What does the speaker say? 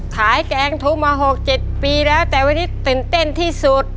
แกงทูมา๖๗ปีแล้วแต่วันนี้ตื่นเต้นที่สุด